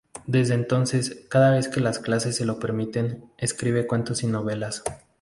Desde entonces, cada vez que las clases se lo permiten, escribe cuentos y novelas.